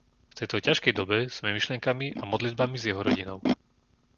V tejto ťažkej dobe sme myšlienkami a modlitbami s jeho rodinou.